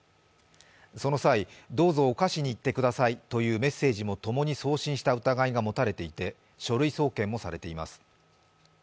その際、「どうぞ犯しに行ってください」というメッセージも共に送信した疑いが持たれていて書類送検もされています。